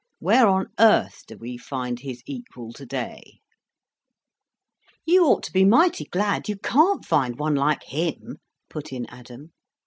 Where on earth do we find his equal to day?" "You ought to be mighty glad you can't find one like him," put in Adam.